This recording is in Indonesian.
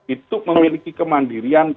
itu memiliki kemandirian